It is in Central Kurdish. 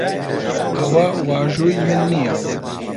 ئەوە واژووی من نییە.